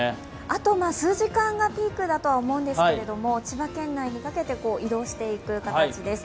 あと数時間がピークだと思うんですけれども千葉県内にかけて移動していく形です。